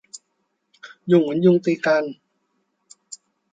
ยุ่งเหมือนยุงตีกัน